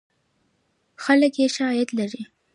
خلک یې ښه عاید لري.